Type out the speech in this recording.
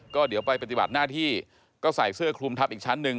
ก็เดี๋ยวไปปฏิบัติหน้าที่ก็ใส่เสื้อคลุมทับอีกชั้นหนึ่ง